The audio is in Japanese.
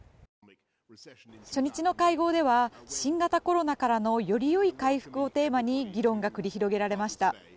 初日の会合では新型コロナからのよりよい回復をテーマに議論が繰り広げられました。